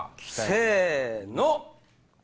せの！